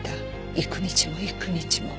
幾日も幾日も。